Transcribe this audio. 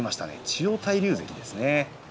千代大龍関ですね。